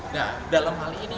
nah dalam hal ini